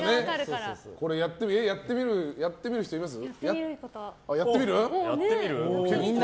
やってみる人います？